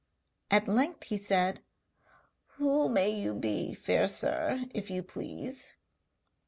At length he said: 'Who may you be, fair sir, if you please?'